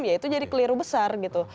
itu akan menjadi hal yang berlaku